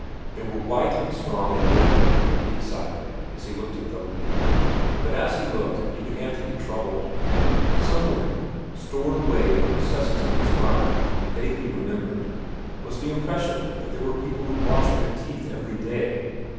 They were white and strong and regular, he decided, as he looked at them. But as he looked, he began to be troubled. Somewhere, stored away in the recesses of his mind and vaguely remembered, was the impression that there were people who washed their teeth every day.